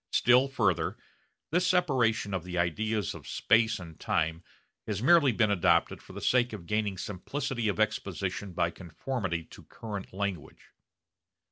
Still further, this separation of the ideas of space and time has merely been adopted for the sake of gaining simplicity of exposition by conformity to current language.